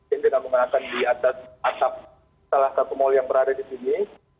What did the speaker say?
yang tidak menggunakan di atas atap salah satu mal yang berada di sini